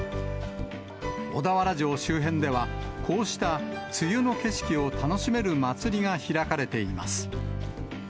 小田原城周辺では、こうした梅雨の景色を楽しめる祭りが開かれています。